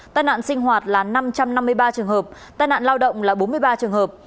tai nạn sinh hoạt là năm trăm năm mươi ba trường hợp tai nạn lao động là bốn mươi ba trường hợp